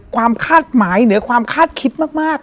ความคาดหมายหรือความคาดคิดมาก